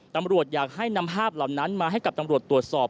ตำรวจอยากให้นำภาพเหล่านั้นมาให้กับตำรวจตรวจสอบ